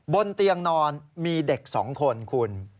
บนเตียงนอนมีเด็ก๒คนคุณ